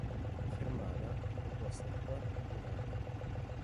La fermata è composta da quattro binari.